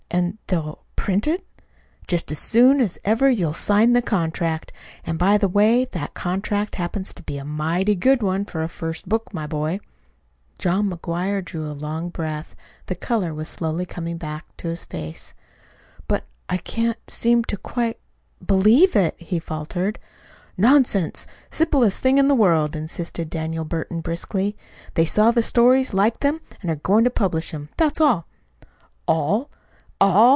"And they'll print it?" "Just as soon as ever you'll sign the contract. And, by the way, that contract happens to be a mighty good one, for a first book, my boy." John McGuire drew a long breath. The color was slowly coming back to his face. "But I can't seem to quite believe it," he faltered. "Nonsense! Simplest thing in the world," insisted Daniel Burton brusquely. "They saw the stories, liked them, and are going to publish them. That's all." "All! ALL!"